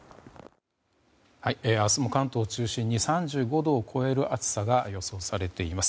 明日も関東中心に３５度を超える暑さが予想されています。